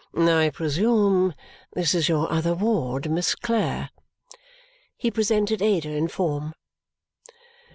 "I presume this is your other ward, Miss Clare?" He presented Ada, in form.